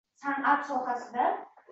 Gurkirab yashnardi yashil maysalar.